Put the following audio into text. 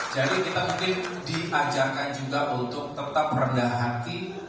jadi kita mungkin diajarkan juga untuk tetap rendah hati